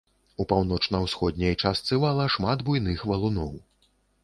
У паўночна-ўсходняй частцы вала шмат буйных валуноў.